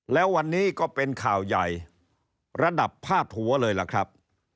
แล้ววันนี้ก็เป็นข่าวใหญ่ระดับพาดหัวเลยล่ะครับ